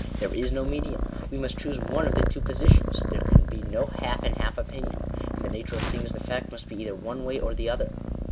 There is no medium. We must choose one of the two positions. There can be no half and half opinion. In the nature of things the fact must be either one way or the other.